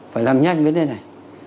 phải làm nhanh với đây này